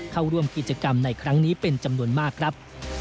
เข้าร่วมกิจกรรมในครั้งนี้เป็นจำนวนมากครับ